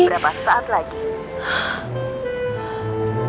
sayang kamu ke mana sih